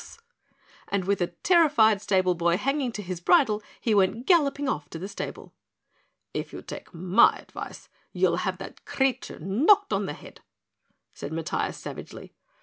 And with the terrified stable boy hanging to his bridle he went galloping off to the stable. "If you take my advice, you'll have that creature knocked on the head," said Matiah savagely.